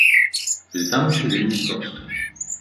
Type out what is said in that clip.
Але там усё вельмі проста.